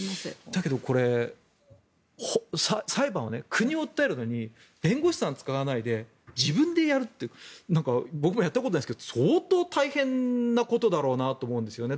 だけど、裁判は国を訴えるのに弁護士さんを使わないで自分でやるって僕はやったことないですが相当大変なことだろうなと思うんですよね。